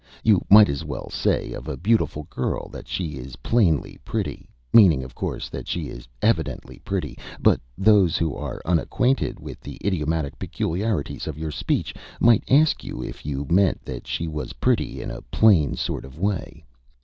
You might as well say of a beautiful girl that she is plainly pretty, meaning of course that she is evidently pretty; but those who are unacquainted with the idiomatic peculiarities of your speech might ask you if you meant that she was pretty in a plain sort of way.